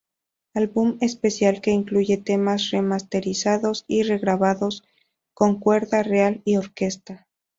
Álbum especial que incluye temas remasterizados y regrabados con cuerda real y orquesta.